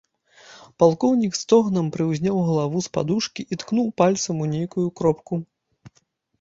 Палкоўнік з стогнам прыўзняў галаву з падушкі і ткнуў пальцам у нейкую кропку.